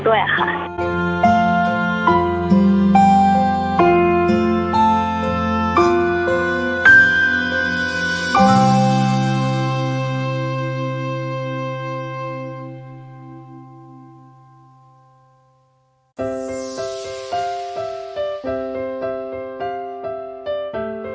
สวัสดีครับ